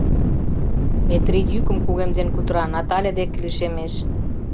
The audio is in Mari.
— Метрий йӱкым кугемден кутыра, Натале деке лишемеш.